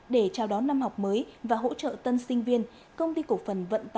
để trao đón năm học mới và hỗ trợ tân sinh viên